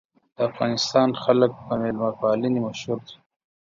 د افغانستان خلک په میلمه پالنې مشهور دي.